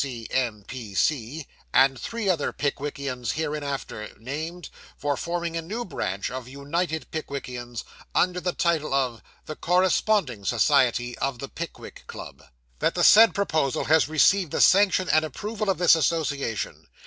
G.C.M.P.C., and three other Pickwickians hereinafter named, for forming a new branch of United Pickwickians, under the title of The Corresponding Society of the Pickwick Club. 'That the said proposal has received the sanction and approval of this Association.